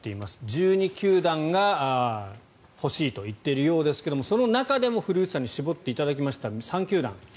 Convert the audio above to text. １２球団が欲しいと言っているようですがその中でも古内さんに絞っていただきました３球団。